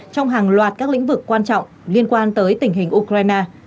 trong hàng loạt các lĩnh vực quan trọng liên quan tới tình hình ukraine